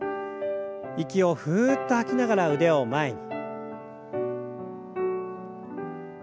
息をふっと吐きながら腕を前に。